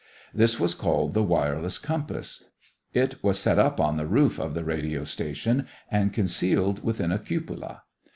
This was called the "wireless compass." It was set up on the roof of the radio station and concealed within a cupola.